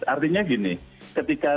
artinya gini ketika